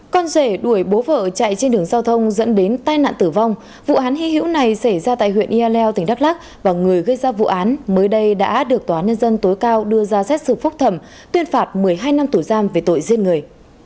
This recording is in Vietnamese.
con rể đuổi bố vợ chạy trên đường giao thông dẫn đến tai nạn tử vong vụ án hy hữu này xảy ra tại huyện yaleo tỉnh đắk lắc và người gây ra vụ án mới đây đã được tòa nhân dân tối cao đưa ra xét xử phúc thẩm tuyên phạt một mươi hai năm tù giam về tội giết người